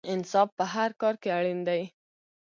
انصاف په هر کار کې اړین دی.